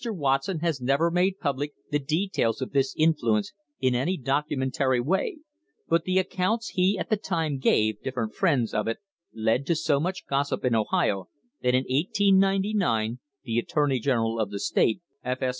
Watson has never made public the details of this influence in any documentary way, but the accounts he at the time gave different friends of it led to so much gossip in Ohio that in 1899 the attorney general of the state, F. S.